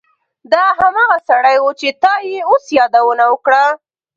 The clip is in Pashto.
دا هماغه سړی و چې تا یې اوس یادونه وکړه